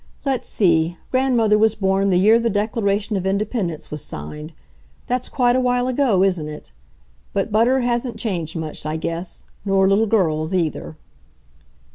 Let's see, Grandmother was born the year the Declaration of Independence was signed. That's quite a while ago, isn't it? But butter hasn't changed much, I guess, nor little girls either."